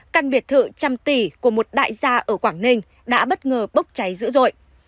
căn biệt thự trăm tỷ của một đại gia ở quảng ninh đã bất ngờ bốc cháy dữ dội